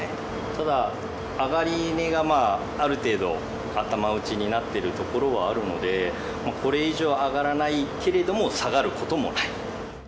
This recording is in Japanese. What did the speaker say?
ただ、上がり値がある程度、頭打ちになってるところはあるので、これ以上上がらないけれども、下がることもない。